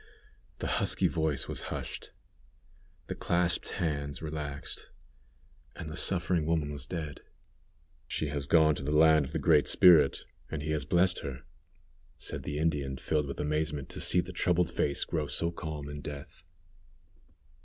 The husky voice was hushed, the clasped hands relaxed, and the suffering woman was dead! "She has gone to the land of the Great Spirit, and He has blessed her," said the Indian, filled with amazement to see the troubled face grow so calm in death.